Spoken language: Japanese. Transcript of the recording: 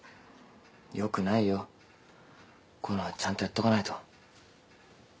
よくないよこういうのはちゃんとやっとかないと。